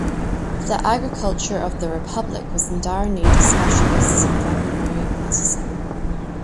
The agriculture of the republic was in dire need of specialists in veterinary medicine.